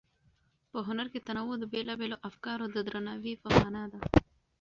په هنر کې تنوع د بېلابېلو افکارو د درناوي په مانا ده.